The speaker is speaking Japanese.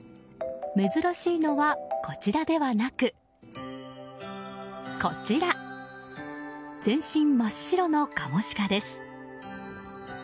珍しいのは、こちらではなくこちら全身真っ白のカモシカです。